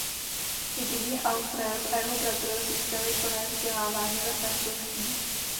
Jediný Alfred a jeho bratr získali úplné vzdělání ve francouzštině.